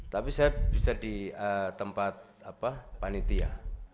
tapi saya bisa di tempat panitia